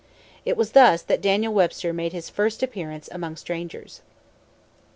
It was thus that Daniel Webster made his first appearance among strangers.